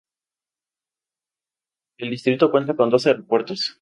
El distrito cuenta con dos aeropuertos.